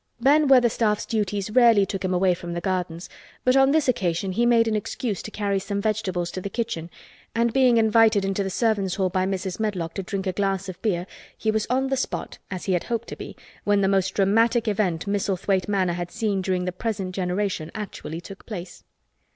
Ben Weatherstaff's duties rarely took him away from the gardens, but on this occasion he made an excuse to carry some vegetables to the kitchen and being invited into the servants' hall by Mrs. Medlock to drink a glass of beer he was on the spot—as he had hoped to be—when the most dramatic event Misselthwaite Manor had seen during the present generation actually took place.